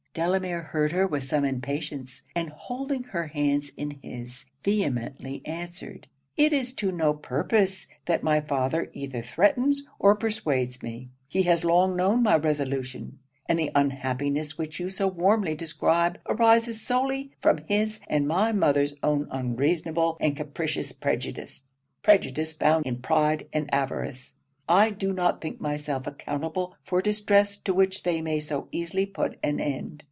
Delamere heard her with some impatience; and holding her hands in his, vehemently answered 'It is to no purpose that my father either threatens or persuades me. He has long known my resolution; and the unhappiness which you so warmly describe arises solely from his and my mother's own unreasonable and capricious prejudice prejudice founded in pride and avarice. I do not think myself accountable for distress to which they may so easily put an end.